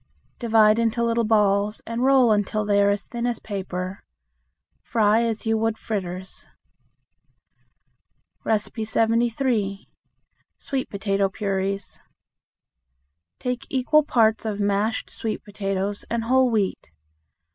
Divide into little balls and roll until they are as thin as paper. Fry as you would fritters. 73. Sweet Potato Puris. Take equal parts of mashed sweet potatoes and whole wheat.